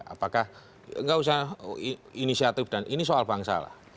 apakah nggak usah inisiatif dan ini soal bangsa lah